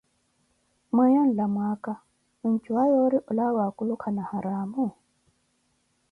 mweyo nlamu ka mwinjuwa yoori olawa wa akulukala haramuh?